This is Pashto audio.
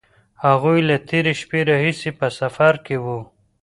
هغوی له تېرې شپې راهیسې په سفر کې وو.